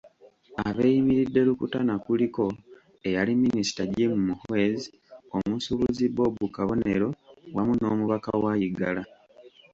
Abeeyimiridde Rukutana kuliko; eyali Minisita Jim Muhwezi, omusuubuzi Bob Kabonero wamu n'Omubaka wa Igara.